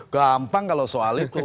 gampang kalau soal itu